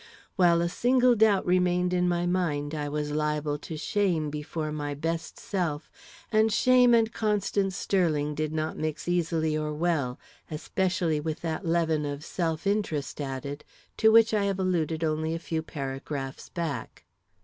While a single doubt remained in my mind I was liable to shame before my best self, and shame and Constance Sterling did not mix easily or well, especially with that leaven of self interest added, to which I have alluded only a few paragraphs back.